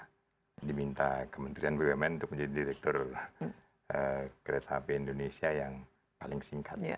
saya diminta kementerian bumn untuk menjadi direktur kereta api indonesia yang paling singkat